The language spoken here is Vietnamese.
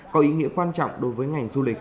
có ý nghĩa quan trọng đối với ngành du lịch